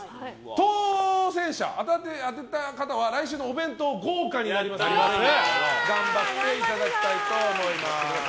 当選者、当たった方は来週のお弁当が豪華になりますので頑張っていただきたいと思います。